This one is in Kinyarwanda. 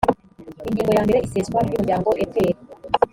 ingingo ya mbere iseswa ry umuryango epr